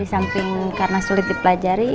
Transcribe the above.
di samping karena sulit dipelajari